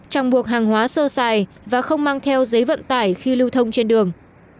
trong buộc hàng hóa sơ xài và không mang theo giấy vận tải khi lưu thông trên đường